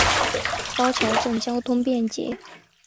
高桥镇交通便捷。